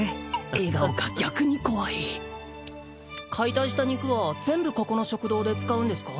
笑顔が逆に怖い解体した肉は全部ここの食堂で使うんですか？